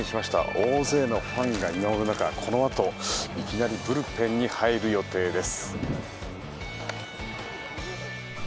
大勢のファンが見守る中このあといきなりブルペンに入る予定です。